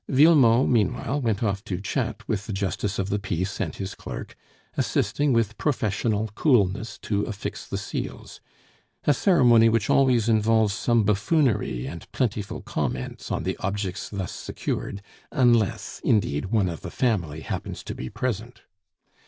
Villemot meanwhile went off to chat with the justice of the peace and his clerk, assisting with professional coolness to affix the seals a ceremony which always involves some buffoonery and plentiful comments on the objects thus secured, unless, indeed, one of the family happens to be present.